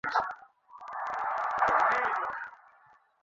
সন্দীপ একটু হেসে বললে, না।